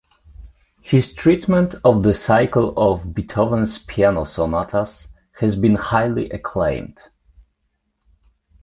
His treatment of the cycle of Beethoven's piano sonatas has been highly acclaimed.